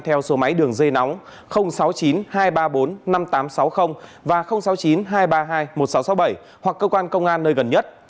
theo số máy đường dây nóng sáu mươi chín hai trăm ba mươi bốn năm nghìn tám trăm sáu mươi và sáu mươi chín hai trăm ba mươi hai một nghìn sáu trăm sáu mươi bảy hoặc cơ quan công an nơi gần nhất